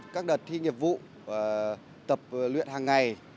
các đợt thi nghiệp vụ tập luyện hàng ngày